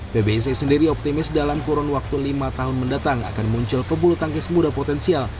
pbsi sendiri optimis dalam kurun waktu lima tahun mendatang akan muncul pebulu tangkis muda potensial